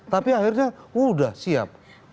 tapi akhirnya udah siap